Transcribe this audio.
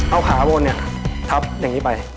เอาขาบนเนี่ยทับอย่างนี้ไป